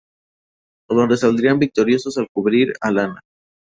Donde saldrían victoriosos al cubrir a Lana.